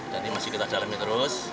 jadi masih kita dalami terus